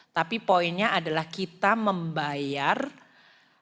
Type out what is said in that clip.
tapi poinnya adalah kita membayar untuk komoditas dalam hal itu energi